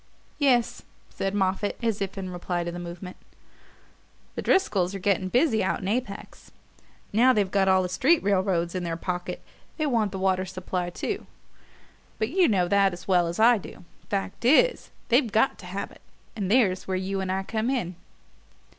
"Yes," said Moffatt, as if in reply to the movement, "the Driscolls are getting busy out in Apex. Now they've got all the street railroads in their pocket they want the water supply too but you know that as well as I do. Fact is, they've got to have it; and there's where you and I come in."